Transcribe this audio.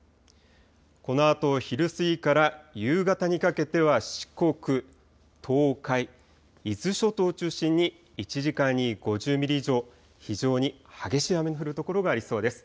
このあと昼過ぎから夕方にかけては四国、東海、伊豆諸島を中心に１時間に５０ミリ以上、非常に激しい雨の降る所がありそうです。